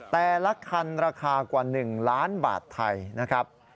แต่ละคันราคากว่า๑ล้านบาทไทยนะครับ